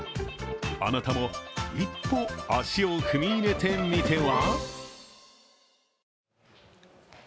あなたも一歩、足を踏み入れてみては？